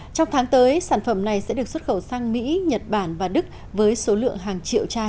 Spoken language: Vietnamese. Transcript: trong tháng tới sản phẩm này sẽ được xuất khẩu sang mỹ nhật bản và đức với số lượng hàng triệu chai